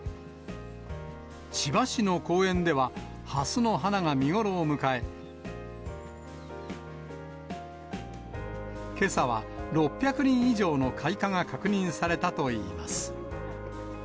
千葉市の公園では、ハスの花が見頃を迎え、けさは６００輪以上の開花が確認されたといいます。